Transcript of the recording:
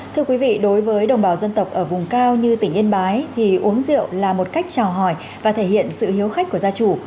thưa quý vị đối với đồng bào dân tộc ở vùng cao như tỉnh yên bái thì uống rượu là một cách trào hỏi và thể hiện sự hiếu khách của gia chủ